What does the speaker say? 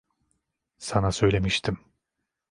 Sana söylemiştim.